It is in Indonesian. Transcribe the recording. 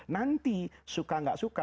nanti suka nggak suka